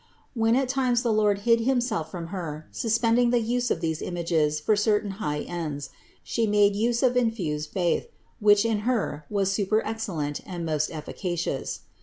When at times the Lord hid himself from Her, suspending the use of these images for certain high ends, She made use of infused faith, which in Her was superexcellent and most efficacious.